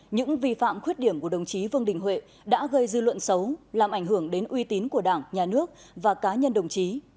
những vi phạm khuyết điểm của đồng chí vương đình huệ đã gây dư luận xấu làm ảnh hưởng đến uy tín của đảng nhà nước và cá nhân đồng chí